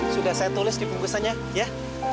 sudah saya tulis di bungkusannya ya